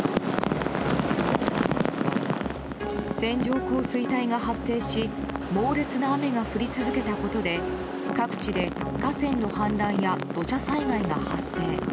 線状降水帯が発生し猛烈な雨が降り続けたことで各地で河川の氾濫や土砂災害が発生。